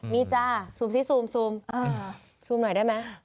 มีจ้าซูมซิซูมซูมหน่อยได้ไหม